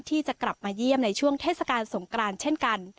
ที่จะกลับมาเยี่ยมในช่วงเทศกาลสงกรานเช่นกัน